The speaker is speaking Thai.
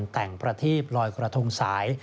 แต่งประทีบลอยกระทงสาย